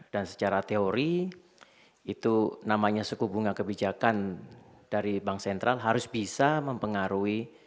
dan secara teori itu namanya suku bunga kebijakan dari bank sentral harus bisa mempengaruhi